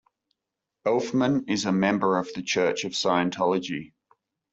Elfman is a member of the Church of Scientology.